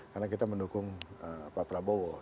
karena kita mendukung pak prabowo